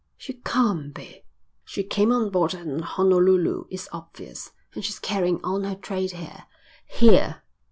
"She can't be." "She came on board at Honolulu. It's obvious. And she's carrying on her trade here. Here."